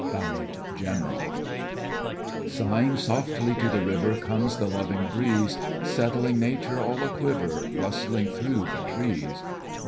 BALLAD—GENERAL Sighing softly to the river Comes the loving breeze, Setting nature all a quiver, Rustling through the trees.